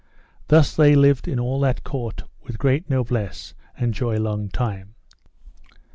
Thus they lived in all that court with great noblesse and joy long time.